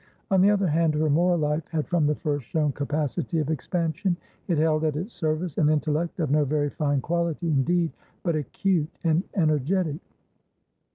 On the other hand, her moral life had from the first shown capacity of expansion; it held at its service an intellect, of no very fine quality indeed, but acute and energetic.